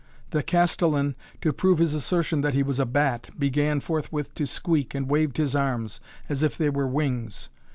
The Castellan, to prove his assertion that he was a bat, began forthwith to squeak, and waved his arms, as if they were wings.